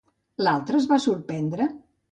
L'altre es va sorprendre?